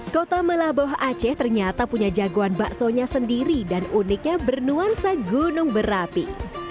kota melaboh aceh ternyata punya jagoan baksonya sendiri dan uniknya bernuansa gunung berapi